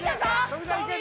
富澤いけ！